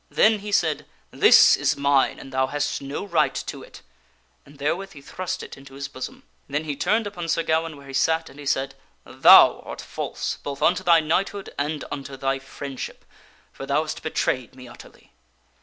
Then he said, " This is mine and thou hast no right to it !" And therewith he thrust it into his bosom. Then he turned upon Sir Gawaine where he sat, and he said, " Thou art false both unto thy knighthood and unto thy friendship, for thou hast betrayed me utterly."